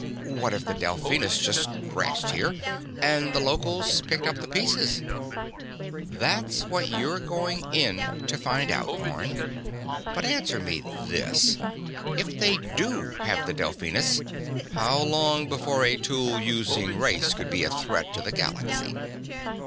"What if the Delphinus just crashed here ... and the locals picked up the pieces?" "That's what you're going in to find out, Orne. But answer me this: If they do have the Delphinus, how long before a tool using race could be a threat to the galaxy?"